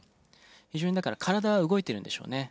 非常にだから体は動いているんでしょうね。